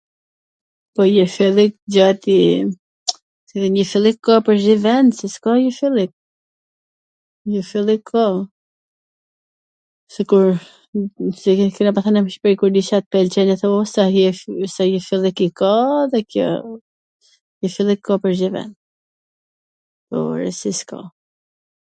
Po jeshillik gjatiii, se jeshillik ka pwr gjith vend si s ka jeshillik? Jeshillik ka, sikur ...si kena pas thwn n Shqipri, sa jeshillwk ka. Jeshillik ka pwr gjith ven, po, ore, si s ka!